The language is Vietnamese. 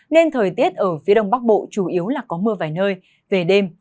nên thời tiết ở phía đông bắc bộ chủ yếu là có mưa vài nơi về đêm